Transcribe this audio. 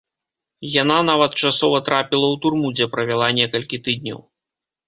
Яна нават часова трапіла ў турму, дзе правяла некалькі тыдняў.